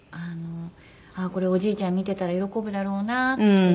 ああこれおじいちゃん見てたら喜ぶだろうなって。